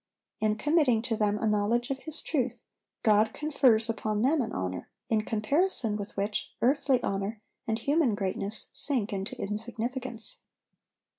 In committing to them a knowledge of His truth, God confers upon them an honor, in comparison with which earthly honor and human greatness sink into insignificance.